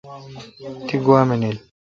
تی گوا منیل